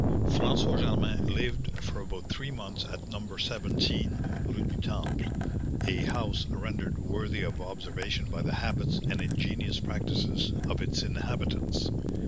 "François Germain lived for about three months at No. 17 Rue du Temple, a house rendered worthy of observation by the habits and ingenious practices of its inhabitants.